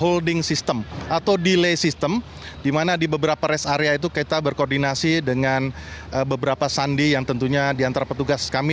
holding system atau delay system di mana di beberapa rest area itu kita berkoordinasi dengan beberapa sandi yang tentunya diantara petugas kami